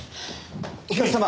お客様！？